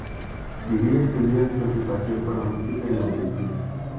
Divide su vida entre su pasión por la música y la medicina.